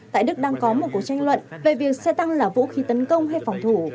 tại đức đang có một cuộc tranh luận về việc xe tăng là vũ khí tấn công hay phòng thủ